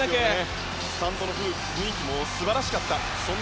スタンドの雰囲気も素晴らしかった。